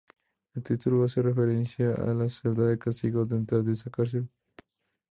El título hace referencia a la celda de castigo dentro de esa cárcel.